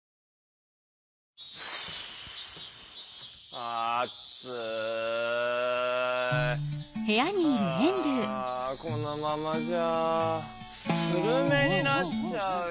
あこのままじゃスルメになっちゃうよ。